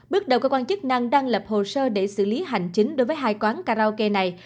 bước đầu cơ quan chức năng đang lập hồ sơ để xử lý hành chính đối với hai quán karaoke này